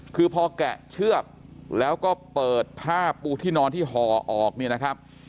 คือพอแกะเชือกแล้วก็เปิดผ้าปูที่นอนที่ห่อออกเนี่ยนะครับ